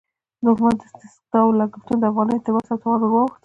د حکومت د دستګاه لګښتونه د افغانیو تر وس او توان ورواوښتل.